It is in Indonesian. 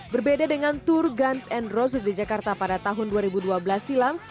berbeda dengan tour guns endrosis di jakarta pada tahun dua ribu dua belas silam